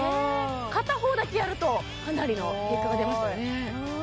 片方だけやるとかなりの結果が出ましたよね